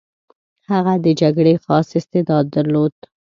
هغه د جګړې خاص استعداد درلود.